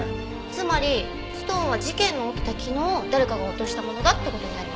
つまりストーンは事件の起きた昨日誰かが落としたものだって事になります。